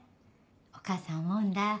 お母さん思うんだ。